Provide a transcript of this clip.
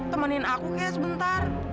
temenin aku kayak sebentar